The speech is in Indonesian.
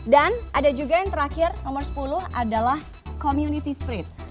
dan ada juga yang terakhir nomor sepuluh adalah community spread